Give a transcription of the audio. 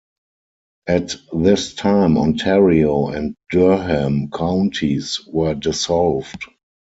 At this time Ontario and Durham counties were dissolved.